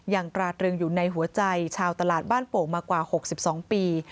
ตราตรึงอยู่ในหัวใจชาวตลาดบ้านโป่งมากว่า๖๒ปี